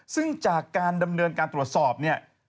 ซึ่งจากการดำเนินการตรวจสอบเนี่ย